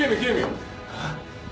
あっ？